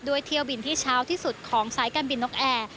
เที่ยวบินที่เช้าที่สุดของสายการบินนกแอร์